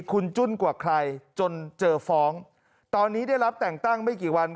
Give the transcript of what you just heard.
คุณจุ้นกว่าใครจนเจอฟ้องตอนนี้ได้รับแต่งตั้งไม่กี่วัน